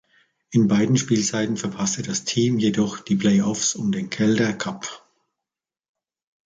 In beiden Spielzeiten verpasste das Team jedoch die Playoffs um den Calder Cup.